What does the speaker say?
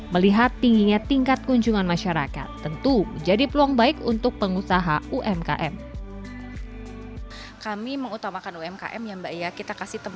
melihat tingginya tingkat kunjungan masyarakat tentu menjadi peluang baik untuk pengusaha umkm